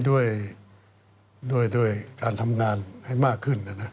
ด้วยการทำงานให้มากขึ้น